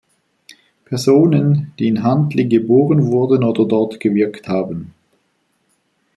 Personen, die in Huntly geboren wurden oder dort gewirkt haben.